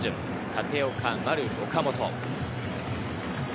立岡、丸、岡本。